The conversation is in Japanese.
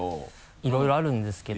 いろいろあるんですけど。